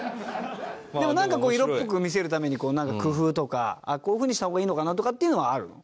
でもなんかこう色っぽく見せるためになんか工夫とかこういう風にした方がいいのかなとかっていうのはあるの？